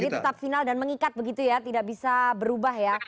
jadi tetap final dan mengikat begitu ya tidak bisa berubah ya